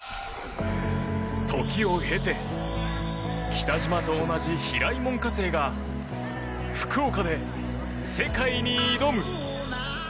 時を経て北島と同じ平井門下生が福岡で世界に挑む。